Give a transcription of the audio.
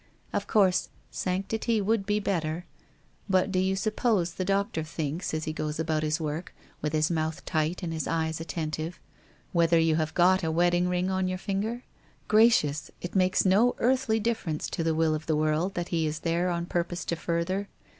Of course sanctity would be better, but do you suppose the doctor thinks, as he goes about his work, with his mouth tight and his eyes at tentive, whether you have got a wedding ring on your finger? Gracious! it makes no earthly difference to the will of the world, that he is there on purpose to further.